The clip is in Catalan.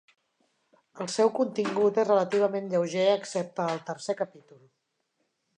El seu contingut és relativament lleuger, excepte al tercer capítol.